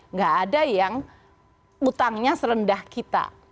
nggak ada yang utangnya serendah kita